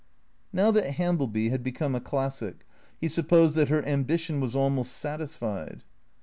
N"ow that Hambieby had become a classic; he supposed that her ambition was almost satisfied.